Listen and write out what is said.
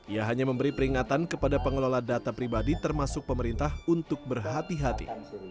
ia hanya memberi peringatan kepada pengelola data pribadi termasuk pemerintah untuk berhati hati